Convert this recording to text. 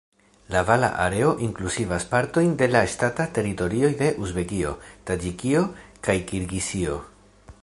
La vala areo inkluzivas partojn de la ŝtataj teritorioj de Uzbekio, Taĝikio kaj Kirgizio.